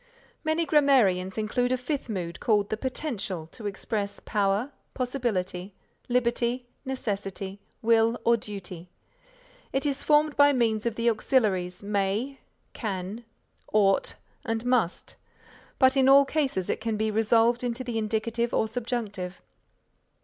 Many grammarians include a fifth mood called the potential to express power, possibility, liberty, necessity, will or duty. It is formed by means of the auxiliaries may, can, ought and must, but in all cases it can be resolved into the indicative or subjunctive.